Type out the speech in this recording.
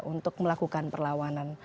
untuk melakukan perlawanan